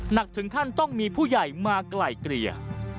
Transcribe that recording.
หนักถึงขั้นต้องมีผู้ใหญ่มาไกล่เกลี่ย